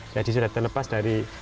jadi sudah terlepas dari